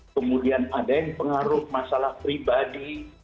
kemudian ada yang pengaruh masalah pribadi